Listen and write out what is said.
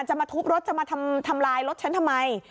จะมาทุบรถจะมาทำลายรถฉันทำไม